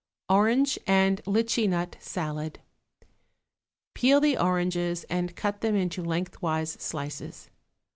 =Orange and Litchi Nut Salad.= Peel the oranges and cut them into lengthwise slices.